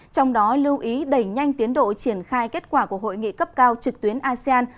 trong đó lưu ý đẩy nhanh tiến độ triển khai kết quả của hội nghị cấp cao trực tuyến asean